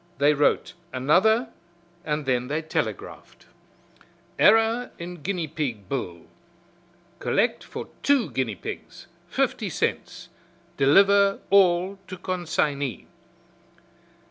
They wrote another and then they telegraphed: "Error in guinea pig bill. Collect for two guinea pigs, fifty cents. Deliver all to consignee."